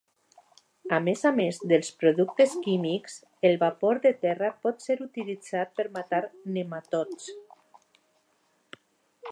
A més a més dels productes químics, el vapor de terra pot ser utilitzat per matar nematots.